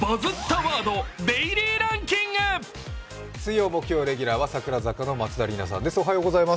水曜、木曜レギュラーは櫻坂４６の松田里奈さんです。